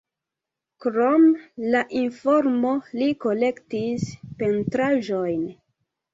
Krom la informo li kolektis pentraĵojn.